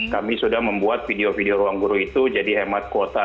kami sudah membuat video video ruang guru itu jadi hemat kuota